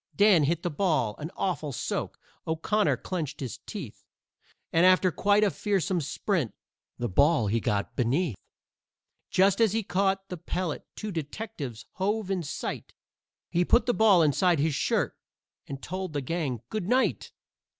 Dan hit the ball an awful soak, O'Connor clenched his teeth, And after quite a fearsome sprint, the ball he got beneath. Just as he caught the pellet two detectives hove in sight; He put the ball inside his shirt and told the gang "GOOD NIGHT!"